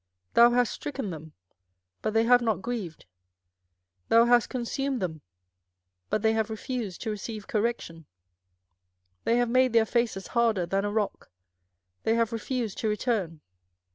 thou hast stricken them, but they have not grieved; thou hast consumed them, but they have refused to receive correction: they have made their faces harder than a rock; they have refused to return.